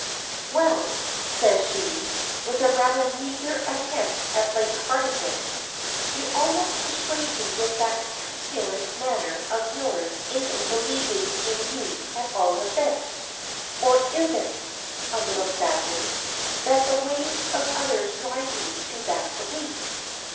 "Well," says she, with a rather meagre attempt at light heartedness, "you almost persuade me with that truculent manner of yours into believing in you at all events, or is it," a little sadly, "that the ways of others drive me to that belief?